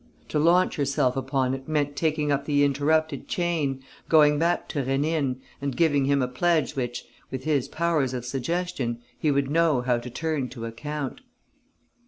To launch herself upon it meant taking up the interrupted chain, going back to Rénine and giving him a pledge which, with his powers of suggestion, he would know how to turn to account.